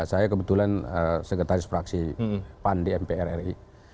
saya kebetulan sekretaris fraksi pan di mpr ri